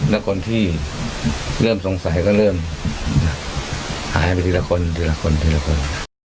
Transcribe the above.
แล้วคนที่เริ่มสงสัยก็เริ่มหายไปทีละคนทีละคนทีละคน